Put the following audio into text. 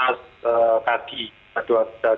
tadua sedas di kiri